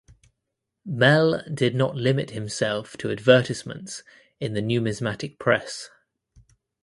Mehl did not limit himself to advertisements in the numismatic press.